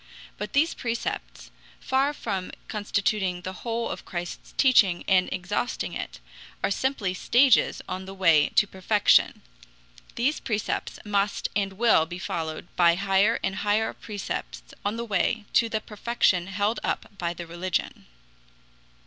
But these precepts, far from constituting the whole of Christ's teaching and exhausting it, are simply stages on the way to perfection. These precepts must and will be followed by higher and higher precepts on the way to the perfection held up by the religion.